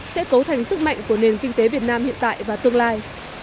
sẽ cấu thành sức mạnh của nền kinh tế việt nam hiện tại và tương lai